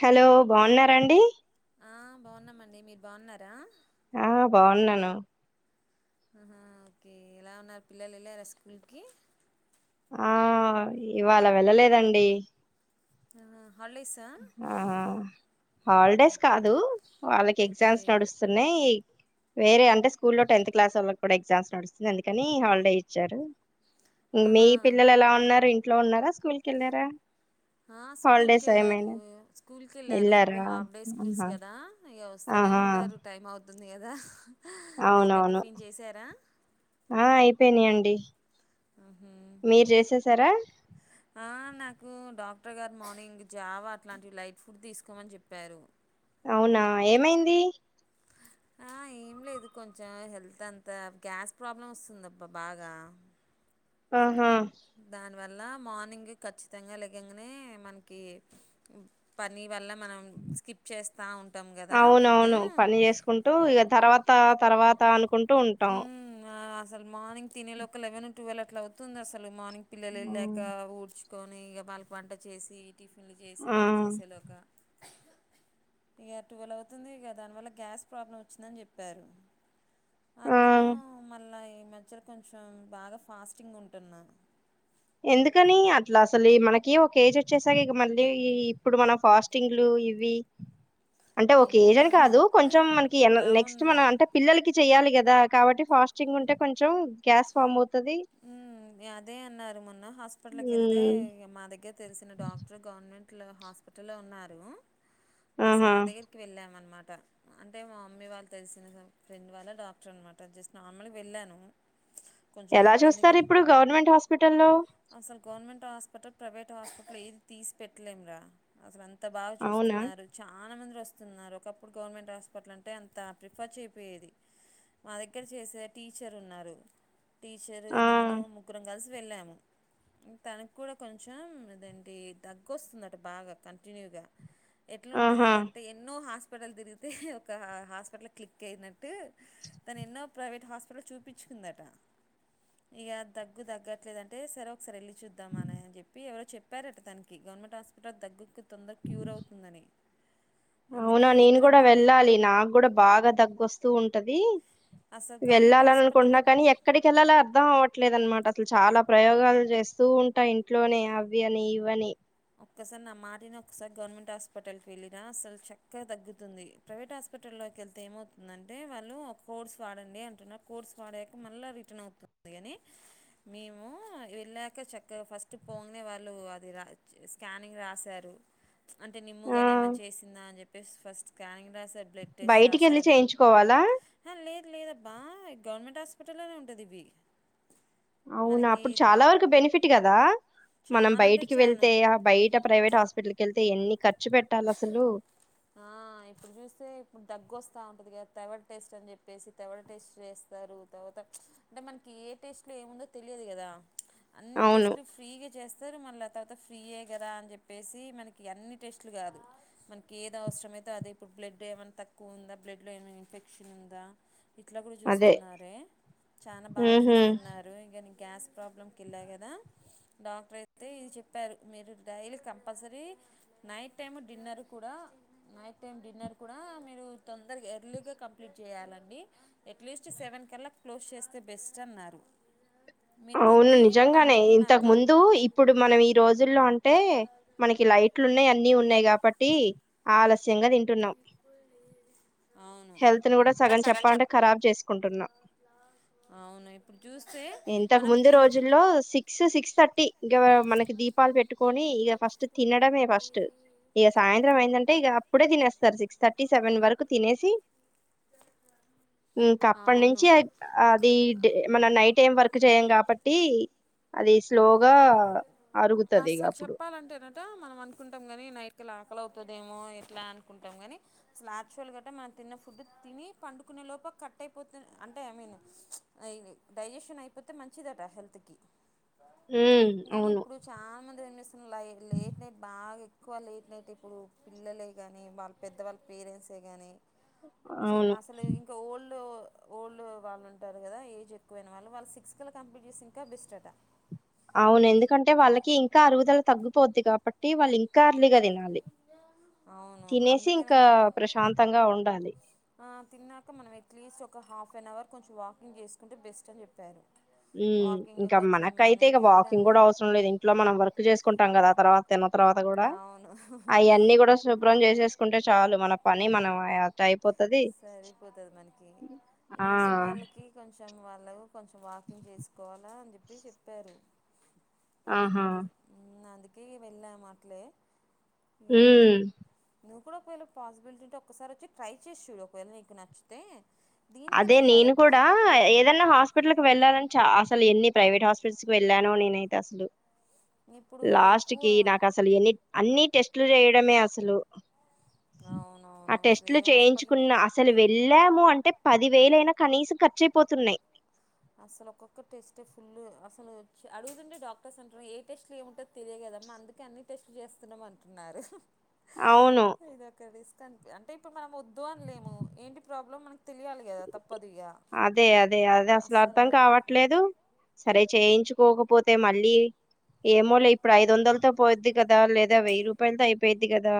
Hello బావున్నారండి? ఆ బావున్నామండి మీరు బావున్నారా? ఆ బావున్నాను. అహ ఓకే ఎలా ఉన్నారు పిల్లలు ఏళ్ళార స్కూల్కి? ఆ ఇవాళ వెళ్ళలేదండి ఆ ఆ హాలిడేస్ కాదు వాళ్ళకి ఎగ్జామ్స్ నడుస్తున్నాయి వేరే అంటే స్కూల్ల్లో టెన్త్ క్లాస్ వాళ్లకు కూడా ఎగ్జామ్స్ నడుస్తునేఉంది కని హాలిడే ఇచ్చారు ఇం మీ పిల్లలు ఎలా ఉన్నారు ఇంట్లో ఉన్నారా స్కూల్ కేళ్లారా ఆ స్కూల్ కి వెళ్ళారు స్కూల్ కి వెళ్ళారు ఇప్పుడు హాఫ్ డే స్కూల్స్ కదా ఈగ వస్తనే ఉంటారు టైం అవుతుంది కదా అవునవును ఆ అయిపోయినాయ్ అండి మీరు చేసేసారా నాకు డాక్టర్ గారు మార్నింగ్ జావా అట్లాంటివి లైట్ ఫుడ్ తీసుకోమని చెప్పారు అవునా ఏమైంది ఏం లేదు కొంచెం హెల్త్ అంత గ్యాస్ ప్రాబ్లం వస్తుందిబ్బా బాగా ఆహా దం నివల్ల మార్నింగ్ ఎ కచ్చితంగా లేగంగానే మనకి పని వల్ల మనం స్కిప్ చేస్తా ఉంటాం కదా ఫుడ్ త-తర్వాత అనుకుంటూ ఉంటాం అసలు మార్నింగ్ తినేలో క లెవెన్ టువెల్ అట్లా అవుతుంది అసలు మార్నింగ్ పిల్లలు ఎళ్ళక ఊడ్చు కొని ఇగ వాళ్ళకి వంట చేసి టిఫిన్లు చేసి ఇవన్నీ చేసేలోగ ఇగ టువెల్ అవుతుంది ఇగ దానివల్ల గ్యాస్ ప్రాబ్లం వచ్చిందని చెప్పారు అందులో మళ్ళా ఈ మధ్యలో కొంచెం బాగా ఫాస్టింగ్ ఉంటున్నా ఎందుకని అట్లా అసలు ఈ మనకి ఒక ఏజ్ వచ్చేసరికి ఇగ మళ్ళీ ఇప్పుడు మన ఫాస్టింగ్లు ఇవి అంటే ఒక ఏజ్ అని కాదు కొంచెం మనకి నెక్స్ట్ మన అంటే పిల్లలకి చెయాలి కదా కాబట్టి ఫాస్టింగ్ ఉంటే కొంచెం గ్యాస్ ఫామ్ అవు హుమ్ అదే అన్నారు మొన్న హాస్పిటల్కి వెళ్తే ఇగ మా దగ్గర తెలిసిన డాక్టర్ గవర్నమెంట్ లో హాస్పిటల్ లో ఉన్నారు ఆ సార్ దగ్గరికి వెళ్ళాం అనమాట్ ట అంటే మా మమ్మీ వాళ్ళు తెలిసిన ఫ్రెండ్ వాళ్ళ డాక్టర్ అనమాట జస్ట్ నార్మల్గా వెళ్ళాను ఎలా చూస్తారు ఇప్పుడు గవర్నమెంట్ హాస్పిటల్లో హాస్పిటల్ ప్రవేట్ హాస్పిటల్ ఎది తీసి పెట్టలేం గా అసలు అంత బా చూస్తున్నారు చ నమందిరు వస్తున్నారు ఒకప్పుడు గవర్నమెంట్ హాస్పిటల్ అంటే అంత ప్రిఫర్ చేయపోయేది మా దగ్గర చేసే టీచర్ ఉన్నారు టీచరు నేను ముగ్గురం కలిసి వెళ్ళాము తనకు కూడా కొంచెం ఇదంటి దగ్గు వస్తుంది అట బాగా కంటిన్యూగా ఎట్లుంటది అంటే ఎన్నో హాస్పిటల్ తిరిగితే ఒక హాస్పిటల్ క్లిక్ అయినట్ టు తను ఎన్నో ప్రైవేట్ హాస్పిటల్ చూపించుకుందట ఇగ దగ్గు తగ్గట్లేదంటే సరే ఒకసారి వెళ్ళి చూద్దాం అని చెపి ఎవరో చెప్పారట తనకి గవర్నమెంట్ హాస్ టల్ దగ్గుకు తొందర క్యూర్ అవుతుందని అవునా నేను కూడా వెళ్ళాలి నాకు కూడా బాగా తగ్గొస్తూ ఉంటది. వెళ్ళాలని అనుకుంటున్నా కానీ, ఎక్కడికి వెళ్ళాలి అర్ధం అవ్వట్లేదు అనమాట. అట్లు చాలా ప్రయోగాలు చేస్తూ ఉంటాయి. ఇంట్లోనే అవి అని, ఇవని ఒక్కసారి నా మాటిని ఒక్కసారి గవర్నమెంట్ హాస్పిటల్కి వెళ్ళిరా అసలు చక్కున తగ్గుతుంది ప్రైవేట్ హాస్పి హాస్పిటల్లోకి వెళ్తే ఏమవుతుందంటే వాళ్ళు ఒక కోర్సు వాడండి అంటున్నారు కోర్సు వాడాక మళ్ళ రిటర్న్ అవుతుం అందుకని మేము వెళ్ళాక చక్కగా ఫస్ట్ పోంగనే వాళ్ళు అది రా స్కానింగ్ రాశారు అంటే నిమ్ముగాని ఏమైనా చేసిందా అని చెప్పేసి ఫస్ట్ స్కానింగ్ రాసారు, బ్లడ్ టెస్ట్ రాశారు అ లేదు లేదబ్బా. గవర్నమెంట్ హాస్పిటల్లోనే ఉంటది ఇవి అవునా అప్పుడు చాలా వరకు బెనిఫిట్ కదా. మనం బయటికి వెళ్తే, ఆ బయట ప్రైవేట్ హాస్పిటల్కి వెళ్తే ఎన్ని ఖర్చు ఆ ఇప్పుడు చూస్తే ఇప్పుడు దగ్గు వస్తు ఉంటది కద తెవడ టెస్ట్ అని చెప్పేసి తెవడ టెస్ట్ చేస్తారు. తర్వాత అంటే మనకి ఏ టేస్ట్ ఏముందో తెలియదు కదా ప్చ్ అన్ని టెస్ట్లు ఫ్రీగా చేస్తారు మళ్ల తర్వాత ఫ్రీయే కదా అని చెప్పేసి మనకి అన్ని టెస్ట్ అట్లు కాదు. మనకి ఏది అవసరమయితే అదే ఇప్పుడు బ్లడ్ ఏమైన్నా తక్కువ ఉందా, బ్లడ్లో ఏమైనా ఇన్ఫెక్షన్ ఉందా ఇట్లా కూడా చూస్తున్నారే చాన బాగా చూస్తున్నారు ఇగ. గ్యాస్ ప్రాబ్లంకి వెళ్ళా కదా. డాక్టర్ అయితే ఇది చెప్పారు మీరు daily compulsory night time dinner కూడా, నైట్ టైం డిన్నర్ కూడా మీరు తొందరగా ఎర్లీగా కంప్లీట్ చే యాలండి అట్లీస్ట్ సెవెన్ కల్లా క్లోజ్ చేస్తే బెస్ట్ అన్నారు. అవును నిజంగానే ఇంతకు ముందు ఇప్పుడు మనం ఈ రోజుల్లో అం టే మనకి లైట్లు ఉన్నాయి, అన్ని ఉన్నాయి కాబట్టి ఆలస్యంగా తింటున్నాం. హెల్త్ని కూడా సగన్ చెప్పాలంటే ఖరాబ్ చేసుకుంటున్నా. అవును ఇప్పుడు జుస్ ఇంతకు ముందు రోజుల్లో సిక్స్ సిక్స్ థర్టీ ఇంకా మనకి దీపాలు పెట్టుకొని ఇగ ఫస్ట్ తి తినడమే ఫస్ట్ ఇగ సాయంత్రం అయిందంటే ఇగ ఇప్పుడే తినేస్తారు సిక్స్ థర్టీ, సెవెన్ వరకు తినేసి ఉ కప్పటి నుంచి అది డే మన నైట్ టైం వరకు కాబట్టి అస్సలు చెప్పాలంటే నట మనం అనుకుంటాం గాని నైట్కాలా ఆకలవుతుదేమో ఎట్లా అనుకుంటాం గానీ, అసలు యాక్చువల్ గా మనం తిన్న ఫుడ్ తిని పండుకునే లోప ఎ కట్ అయిపోతే అంటే ఐ మీన్ ప్చ్ డైజెషన్ అయిపోతే మంచిదట హెల్త్ కి కానీ ఇప్పుడు చాలా మంది ఎంచేస్తున్నరు ల లేట్ నైట్ బాగా ఎక్కువ లేట్ నైట్ ఇప్పుడు పిల్లలే కానీ, వాళ్లు పెద్దవాళ్లు, పేరెంట్సే గానీ చె అసలు ఇంకా ఓల్డ్ ఓల్డ్ వాళ్ళు ఉంటారు కదా. ఏజ్ ఎక్కువైన వాళ్ళు వాళ్ళు సిక్స్త్ కలా కంప్లీట్ చేస్తె ఇంకా బెస్ట్ అట. అవును ఎందుకంటే వాళ్ళకి ఇంకా అరుగుదల తగ్గిపోద్ది కాబట్టి వాళ్ళు ఇంకా అర్లీగా తినాలి. తినేసి ఇంకా ప్రశాంతంగా ఉండాలి. ఆ తిన్నాక మనం ఎట్లీస్ట్ ఒక హాఫ్ అన్ అవర్ కొంచెం వాకింగ్ చేసుకుంటే బెస్ట్ అని చెప్పారు. ఉ ఇంకా మనకైతే ఇగ వాకింగ్ కూడా అవసరం లేదు. ఇంట్లో మనం వర్క్ చేసుకుంటాం కదా తర్వాత తిన్న తర్వాత కూడా అయన్నీ కూడా శుభ్రం చేసేసుకుంటే చాలు మన పని మనవాయే అటఅయిపో సరిపోతది మనకి ఈ ముసలి వాళ్ళకి కొంచెం వా కొంచెం వాకింగ్ చేసుకోవాలా అని చెప్పి చెప్పారు. అందుకే వెళ్ళాము అట్లే ఉమ్ నువ్వు కూడా ఒకవేళ పాసిబిలిటీ అంటే ఒకసారి వచ్చి ట్రై చేసి చూడు ఒకవేళ నీకు నచ్చితే. అదే నేను కూడా ఏదైనా హాస్పిటల్కి వెళ్ళాలని చాస్ అసలు ఎన్ని ప్రైవేట్ హాస్పిటల్స్కి వెల్లానో నేనైతే అసలు. లాస్ట్ కి నాకు అసలు ఎన్ని అన్ని టెస్ట్లు చేయడమే అసలు. ఆహ్ టెస్ట్లు చేయించుకున్న అసలు వెళ్ళాము అన్. పది వేలయినా కనీసం ఖర్చుయిపోతున్నాయి. అసలు ఒక్కొక్క టెస్ట్ ఫుల్ అసలు అడుగుతుంటే డాక్టర్స్ అంటూరుగా ఏ టెస్ట్లు ఏముంటది తెలియగల. అత్తమ్మ అందుకే అన్ని టెస్ట్లు చేస్తున్నామంటున్నారు. ఇదిక్క రిస్క్ అనిపి అంటే ఇప్పుడు మనం వద్దు అనలేము. ఏంటి ప్రాబ్లం మనకి తెలియాలి గద తప్పదుగా అసలర్థం కావట్లేదు. సరే చేయించుకోకపోతే మళ్ళీ ఏమోలే ఇప్పుడు ఐదొందలతో పోయిద్ది కదా లేదా వెయ్యి రూపాయలతో అయిపోయిద్ది కదా.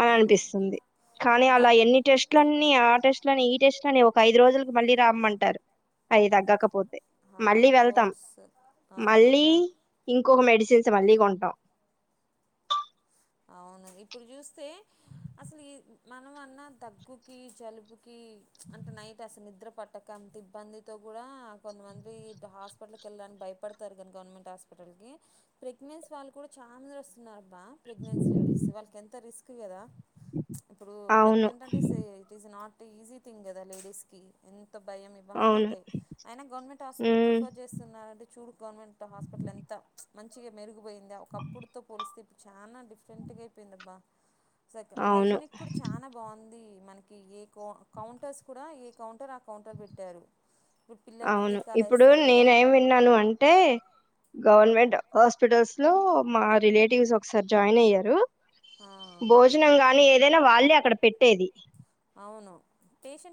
అని అనిపిస్తుంది కానీ అలా ఎన్ని టెస్ట్లన్ని ఆ టెస్ట్. టెస్ట్ లని ఈ టెస్ట్ లని ఒక ఐదు రోజులకి మళ్ళీ రామ్మంటారు అది తగ్గకపోతే. మళ్ళీ వెళ్తాం మళ్ళీ ఇంకొక మెడిసిన్. మెడిసిన్స్ మళ్ళీ కొంటామ్. అవును ఇప్పుడు చూస్తే అసలి మనమన్నా దగ్గుకి జలుబుకి. ప్చ్ అంతా నైట్ అసలు నిద్ర పట్టక అంతిబ్బందితో కూడా కొంతమంది హాస్పిటల్కి ఎళ్ళలి భయపడతారు గనీ గవర్నమెంట్ హాస్పిటల్ కి ప్రెగ్నెన్సీ వాళ్ళు కూడా చాలా వస్తున్నారబ్బా. ప్రెగ్నెన్స్ లేడీస్ వాళ్ళకి ఎంత రిస్క్ గదా ప్చ్ ఇప్పుడు ప్రెగ్నెంట్ అంటే సె ఇట్ ఈస్ నాట్. అంటే ఈజీ థింగ్ కదా లేడీస్ కి ఎంత. భయం ఇవన్నుంటాయి అయినా గవర్నమెంట్ హాస్పిటల్ ప్రిఫర్ చేస్తున్నంటే చూడు గవర్నమెంట్ హాస్పిటల్ ఎంత ప్చ్. మంచిగా మెరుగుపోయింది ఒకప్పుడుతో పోలిస్తే ఇప్పుడు చానా డిఫరెంట్గా అయిపోయింది అబ్బా. సరిగ్గ హైజనిక్ కూడా చానా బాగుంది. మనకి ఏ కౌ కౌంటర్స్ కూడా ఏ కౌంటర్ ఆ కౌంటర్ పెట్టారు. అవును ఇప్పుడు నేనేం విన్నాను అంటే గవర్నమెంట్. కాస్ట్ డోస్ లో మా రిలేటివ్స్ ఒకసారి జాయిన్ అయ్యారు. భోజనం గాని ఏదైనా వాళ్ళే అక్కడ పెట్టేది. అవును.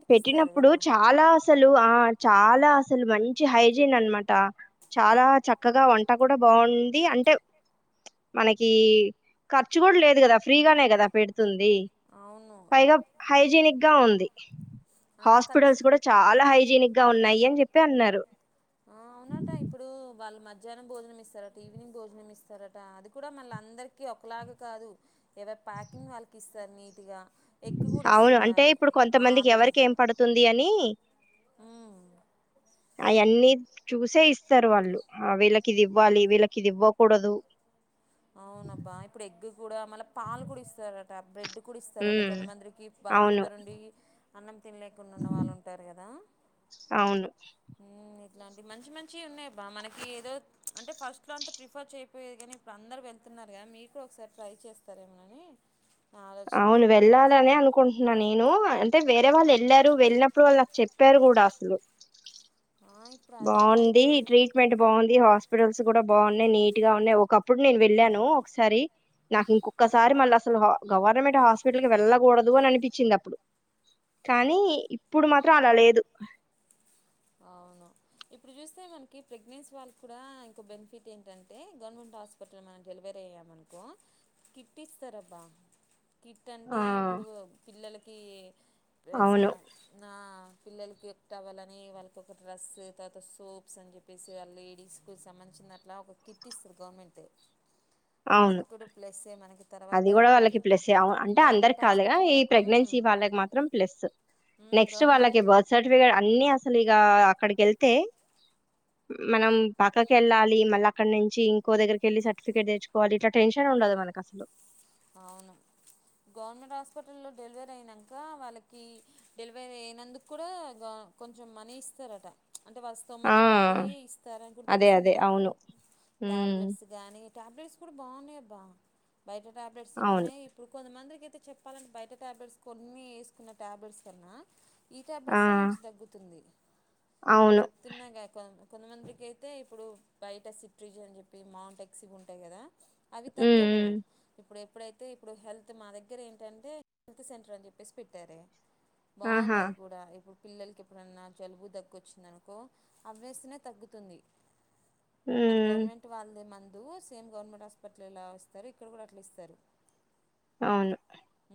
పెట్టినప్పుడు చాలా అసలు ఆహ్. చాలా అసలు మంచి హైజీన్నమాట చాలా చక్కగా వంట కూడా బాగుంది అన్. అంటే ప్చ్ మనకీ ఖర్చు కూడా లేదు కదా ఫ్రీగానే కదా పెడ్. పెడుతుంది పైగా హైజీనిక్గా ఉంది. హాస్పిటల్స్ కూడా చాలా హైజీనిక్గా ఉన్నాయి అని చెప్పి అన్నారు. ఆహ్ అవునంట ఇప్పుడూ. వాళ్ళు మధ్యాహ్నం భోజనమిస్తారట ఈవినింగ్ భోజనమిస్తారట అది కూడా మళ్ళా అందరికీ ఒకలాగ కాదు. ఎవరి ప్యాకింగ్ వాళ్ళకి ఇస్తారు నీట్గా. అవును అంటే ఇప్పుడు కొంతమందికి ఎవరికెం పడుతుంది అని. ఉమ్. అయన్నీ చూసే ఇస్తారు వాళ్ళు ఆహ్ వీళ్ళకి ఇది ఇవ్వాలి వీళ్ళకి ఇది ఇవ్వకూడదు. అవునబ్బా ఇప్పుడు ఎగ్ కూడా మళ్ళ పాలు కూడా ఇస్తారంట బ్రెడ్. కుడిస్తారట కొంతమంద్రికి బాగా ఫీవర్ ఉండి అన్నం. తినలేకుంన్న ఉన్న వాళ్ళు ఉంటారు కదా. ఇట్లాంటివి మంచి మంచివి ఉన్నాయ్బా మనకి ఏదో అంటే ఫస్ట్ లో అంతా ప్రిఫర్ చేయపోయేది కానీ. ఇప్పుడు అందరు వెళ్తున్నారు కదా మీరుకూడ ఒకసారి ట్రై చేస్తారెమోనని. అవును వెళ్ళాలనే అనుకుంటున్నాను. నేనూ అంటే వేర్వాళ్ళు వెళ్ళారు వెళ్ళినప్పుడు వాళ్ళు నాకు చెప్పారు కూడా అసలు. బాగుంది ట్రీట్మెంట్ బాగుంది హాస్ప్. హాస్పిటల్స్ కూడా బాగున్నాయి నీట్గా ఉన్నాయి ఒకప్పుడు నేను వెళ్ళాను ఒకసారి. నాకు ఇంకొకసారి మళ్ళసలు హా గవర్నమెంట్ హాస్పిటల్కి వెళ్ళకూడదు అని అనిపించింది అప్పుడు. కానీ ఇప్పుడు మాత్రం అలా లేదు. అవును ఇప్పుడు చూస్తే మనకి ప్రెగ్నెన్సీ వాళ్ళకి కూడా ఇంకో బెనిఫిట్ ఏంటంటే గవర్నమెంట్ హాస్పి. హాస్పిటల్ లో మనం డెలివరీ అయ్యామనుకో కిట్ ఇస్తారబ్బా. కిట్ అంటే ఇప్పుడు పిల్లలకీ సా నా. పిల్లలకి కిట్ ఇవ్వాలని వాళ్ళ ఒక డ్రెస్ తర్వాత సోప్స్ అని చెప్పేసి ఆ లేడీస్కు సంబంధించిన అట్లా ఒక కిట్ ఇస్తారు గవర్నమెంట్ది అది కూడా ప్లసే మనకి అది కూడా వాళ్ళకి ప్లేస్సే అంటే అందరికి కాదులే గాని ఈ ప్రెగ్నెన్సీ వాళ్ళకి మాత్రం ప్లస్. నెక్స్ట్ వాళ్ళకి బర్త్ సర్టిఫికేట్ అన్ని అసలు ఇగా అక్కడికి వెళ్తే. మనం పక్కకెళ్ళాలి మళ్ళీ అక్కడి నుంచి ఇంకో దగ్గరక కెళ్ళి సర్టిఫికెట్ తెచ్చుకోవాలి ఇట్లా టెన్షన్. ఉండదు మనకు అసలు అవును గవర్నమెంట్ హాస్పిటల్లో డెలివరీ అయినంక వాళ్ళకి డెలివరీ అయినందుకు కుడా గవర్ కొంచెం మనీ ఇస్తారట అంటే వాల్ స్థోమత పట్టి ఇస్తారని కూడా తెలిసింది నాకు టాబ్లెట్స్ గానీ టాబ్లెట్స్ కూడా బాగున్నాయి అబ్బా బయట టాబ్లెట్స్ ఎట్లున్నాయ్ ఇప్పుడు కొంతమందికి తే చెప్పాలంటే బయట టాబ్లెట్స్ కొన్ని వేసుకున్న టాబ్లెట్స్ కన్నా ఈ ట్యాబ్లెట్సె మంచి తగ్గుతుంది చెప్తున్నాగా కొ కొంతమందికి అయితే ఇప్పుడు బయట సిట్రీజ్ అని చెప్పి మాంటాక్సీ ఉంటాయి కదా అవి తగ్గవు ఎప్పుడైతే ఇప్పుడు హెల్త్ మా దగ్గర ఏంటంటే హెల్త్ సెంటర్ అని చెప్పేసి పెట్టారే బావుంది అది కూడా ఇప్పుడు పిల్లలకి ఎప్పుడన్నా జలుబు దగ్గొచ్చిందనుకో అవేసిన తగ్గుతుంది అది గవర్నమెంట్ వాళ్ళదే మందు సేమ్ గవర్నమెంట్ హాస్పిటల్ ఇలా వస్తారు ఇక్కడ కూడా అ లిస్తరు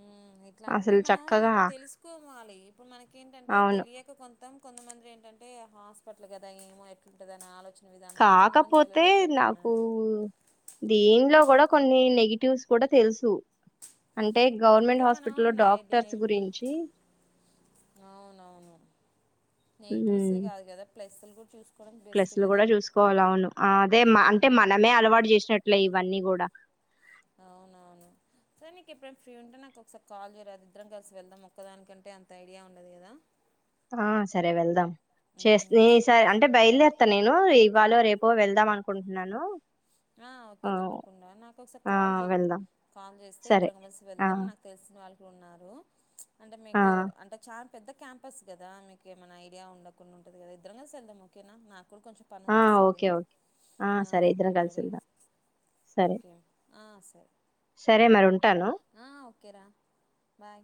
ఉ ఇట్లాంటివి మనం తెలుసుకోవాలి ఇప్పుడు మనకేంటంటే తెలియక కొంతం కొంతమంది ఏంటంటే హాస్పిటల్ కదా ఏమో ఎట్లుంటది అని ఆలోచన కాకపోతే నాకు దీనిలో కూడా కొన్ని నెగిటివ్స్ కూడా తెలుసు అంటే గవర్నమెంట్ హాస్పిటల్లో డాక్టర్స్ గురించి నెయిటివ్స్ సే కాదు కదా ప్లస్లు కూడా చూసు ప్లస్లు కూడా చూసుకోవాల అవును అదే అంటే మనమే అలవాటు చేసినట్లే ఇవన్నీ కూడా అవునవును సో నీకు ఎప్పుడేనా ఫ్రీ ఉంటే నాకు ఒకసారి కాల్ చేయరాదు ఇద్దరం కలిసి వెళ్దాం ఒక్కదానికంటే అంత ఐడియా ఉండదు కదా ఆ సరే వెళ్దాం చేస్తే ఈ సారి అంటే బయలుదేర్త నేను లో ఇవాళ రేపో వెళ్దాం అనుకుంటున్నాను ఆ ఓకే తప్పకుండా నాకు ఒకసారి కాల్ చెయ్ కాల్ చేస్తే ఇద్దరం కలిసి వెళ్దాం నాకు తెలిసిన వాళ్ళకుడా ఉన్నారు అంటే మీకు అంటే చార్ట్ పెద్ద క్యాంపస్ కదా మీకు ఏమైన ఐడియా ఉండకుండా ఉంటది కదా ఇద్దరం కలిసి వెళ్దాం ఓకేనా నా నాకు కూడా కొంచెం పనుంది అటు సైడు ఓకే దరం కలిసి వెళ్దాం సరే సరే మరివుంటాను బాయ్